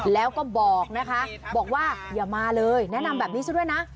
แล้วก็บอกนะคะบอกว่าอย่ามาเลยแนะนำแบบนี้ซะด้วยนะ